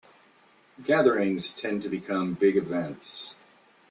Gatherings tend to become big events.